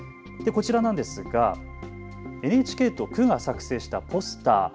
こちらなんですがＮＨＫと区が作成したポスター。